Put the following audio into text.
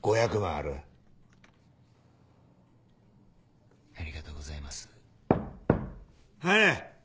ありがとうございます。